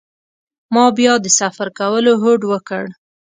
ما بیا د سفر کولو هوډ وکړ.